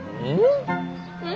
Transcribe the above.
うん？